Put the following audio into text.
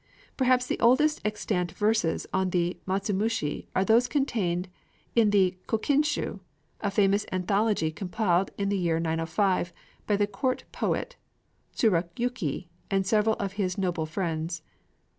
Perhaps the oldest extant verses upon the matsumushi are those contained in the Kokinshū, a famous anthology compiled in the year 905 by the court poet Tsurayuki and several of his noble friends.